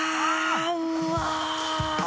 うわ！